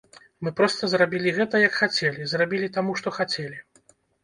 Мы проста зрабілі гэта, як хацелі, зрабілі таму, што хацелі.